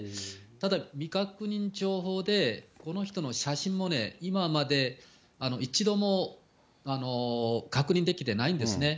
ただ未確認情報で、この人の写真もね、今まで一度も確認できてないんですね。